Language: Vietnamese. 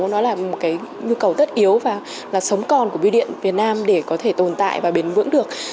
nó là một cái nhu cầu tất yếu và sống còn của biêu điện việt nam để có thể tồn tại và bền vững được